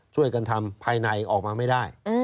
ช่วยกันทำภายในออกมาไม่ได้